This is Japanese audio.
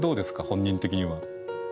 本人的には。